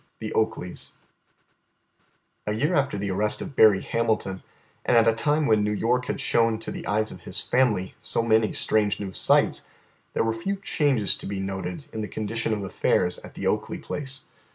XIII THE OAKLEYS A year after the arrest of Berry Hamilton, and at a time when New York had shown to the eyes of his family so many strange new sights, there were few changes to be noted in the condition of affairs at the Oakley place.